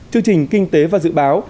chương trình kinh tế và dự báo